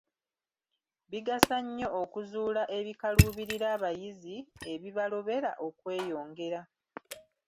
Bigasa nnyo okuzuula ebikaluubirira abayizi, ebibalobera okweyongera.